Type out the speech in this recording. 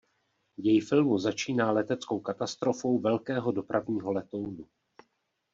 Děj filmu začíná leteckou katastrofou velkého dopravního letounu.